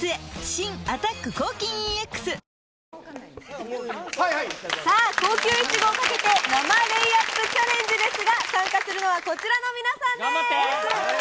新「アタック抗菌ＥＸ」さあ、高級イチゴをかけて生レイアップチャレンジですが、参加するのは頑張って。